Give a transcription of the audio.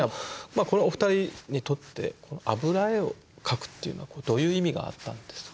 このお二人にとって油絵を描くっていうのはどういう意味があったんですか？